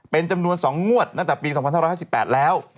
เป็นจำนวน๒งวดตั้งแต่ปี๒๕๕๘แล้ว